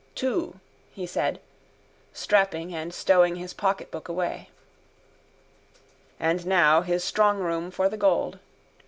—Two, he said, strapping and stowing his pocketbook away. And now his strongroom for the gold.